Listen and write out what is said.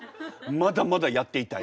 まだまだやっていたい。